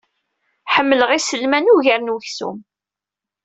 Ḥemmleɣ iselman ugar n uksum.